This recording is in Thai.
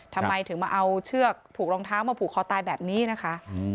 ทำไมถึงมาเอาเชือกผูกรองเท้ามาผูกคอตายแบบนี้นะคะ